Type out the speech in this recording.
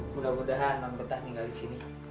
mudah mudahan non petah tinggal di sini